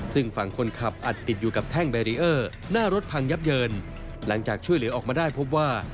ซึ่งฝั่งคนขับอัดติดอยู่กับแท่งแบรีเออร์หน้ารถพังยับเยินหลังจากช่วยเหลือออกมาได้พบว่า